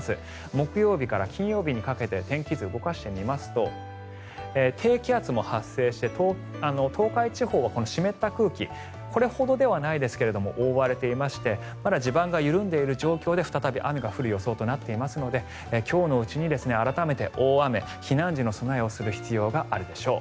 木曜日から金曜日にかけて天気図を動かしてみますと低気圧も発生して東海地方は湿った空気にこれほどではないですけれど大荒れていましてまだ地盤が緩んでいる状況で再び雨が降る予想となっているので今日のうちに改めて大雨、避難時の備えをする必要があるでしょう。